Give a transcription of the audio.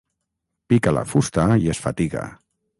Pica la fusta i es fatiga.